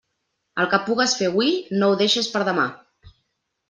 El que pugues fer hui no ho deixes per a demà.